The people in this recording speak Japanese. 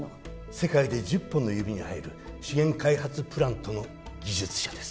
世界で１０本の指に入る資源開発プラントの技術者です